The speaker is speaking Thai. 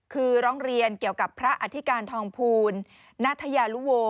คือร้องเรียนเกี่ยวกับพระอธิการทองภูลณฑยาลุโว